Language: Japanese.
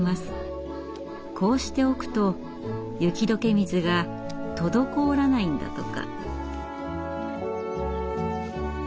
こうしておくと雪解け水が滞らないんだとか。